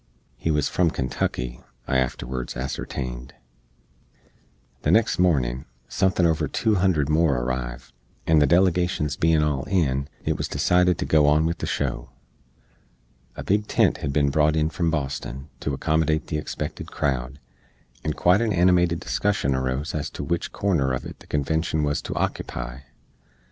He wuz from Kentucky, I afterwards ascertained. The next mornin, suthin over two hundred more arriv; and the delegashens bein all in, it wuz decided to go on with the show. A big tent hed bin brought on from Boston to accommodate the expected crowd, and quite an animated discussion arose ez to wich corner uv it the Convenshun wuz to ockepy.